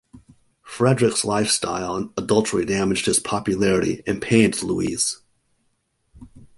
Fredrick's life style and adultery damaged his popularity and pained Louise.